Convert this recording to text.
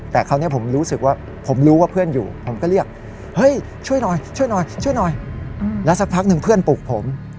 แต่คราวนี้ผมรู้สึกว่าผมรู้ว่าเพื่อนอยู่ผมก็เรียกเฮ้ยช่วยหน่อยช่วยหน่อยช่วยหน่อยแล้วสักพักหนึ่งเพื่อนปลุกผม